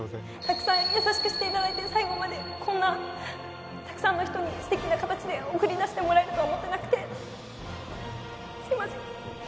たくさん優しくしていただいて最後までこんなたくさんの人に素敵なかたちで送り出してもらえるとは思ってなくてすいません